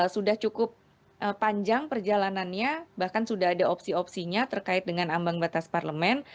sudah cukup panjang perjalanannya bahkan sudah ada opsi opsinya terkait dengan ambang batas parlemen